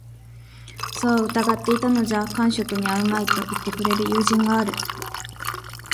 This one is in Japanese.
そう凝っていたのじゃ間職に合うまい、と云ってくれる友人がある